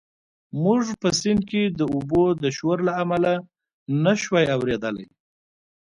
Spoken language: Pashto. موږ په سیند کې د اوبو د شور له امله نه شوای اورېدلی.